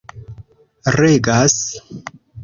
regas